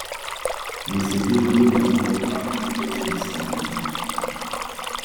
Mais c'est de nouveau dans un rôle dramatique qu'elle se distingue.